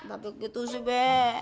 gak begitu sih be